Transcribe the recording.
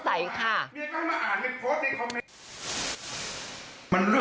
ฉันบอกกี่ครั้งแล้ว